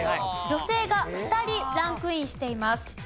女性が２人ランクインしています。